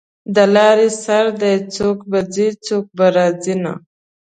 د لارې سر دی څوک به ځي څوک به راځینه